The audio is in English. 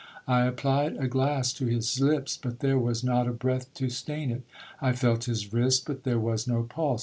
I applied a glass to his lips—but there was not a breath to stain it. I felt his wrist but there was no pulse.